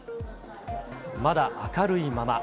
まだ明るいまま。